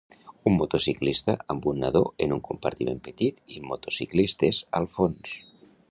Un motociclista amb un nadó en un compartiment petit i motociclistes al fons.